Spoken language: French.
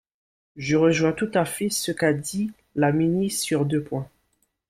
Je rejoins tout à fait ce qu’a dit la ministre sur deux points.